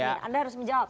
anda harus menjawab